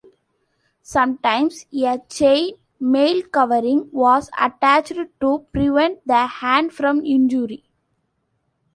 Sometimes a chain mail covering was attached to prevent the hand from injury.